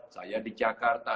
saya di jakarta